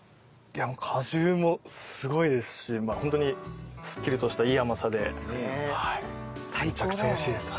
果汁もすごいですしホントにすっきりとしたいい甘さでめちゃくちゃ美味しいです。